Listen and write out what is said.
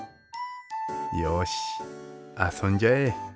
よし遊んじゃえ。